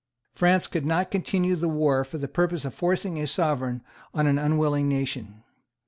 France could not continue the war for the purpose of forcing a Sovereign on an unwilling nation.